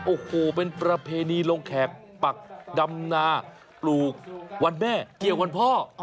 โอ้โหเป็นประเพณีลงแขกปักดำนาปลูกวันแม่เกี่ยววันพ่อ